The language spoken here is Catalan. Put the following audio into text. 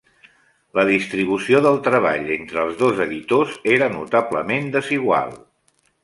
La distribució del treball entre els dos editors era notablement desigual.